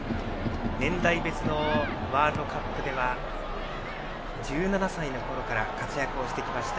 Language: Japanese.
年代別のワールドカップでは１７歳のころから活躍をしてきました